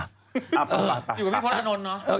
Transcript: อยู่กับพี่พลตนอนเนอะ